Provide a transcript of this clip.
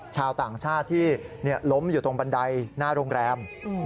ชาวต่างชาติที่ล้มอยู่ตรงบันไดหน้าโรงแรม